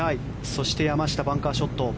そして山下、バンカーショット。